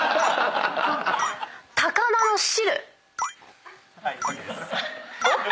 高菜の汁！